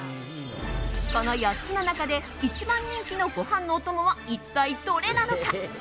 この４つの中で一番人気のご飯のお供は一体どれなのか。